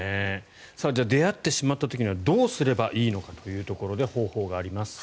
出会ってしまった時にはどうすればいいのかということで方法があります。